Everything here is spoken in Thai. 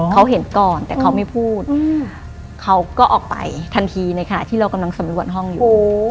เขาเห็นก่อนแต่เขาไม่พูดเขาก็ออกไปทันทีในขณะที่เรากำลังสำรวจห้องอยู่